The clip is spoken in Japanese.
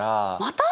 また！？